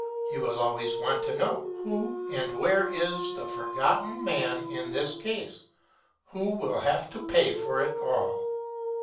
He will always want to know, Who and where is the Forgotten Man in this case, who will have to pay for it all?